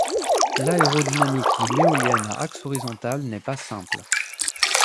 L'aérodynamique d'une éolienne à axe horizontal n'est pas simple.